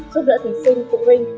giúp đỡ thí sinh phục huynh